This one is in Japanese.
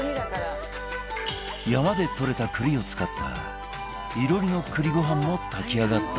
山で採れた栗を使った囲炉裏の栗ご飯も炊き上がった様子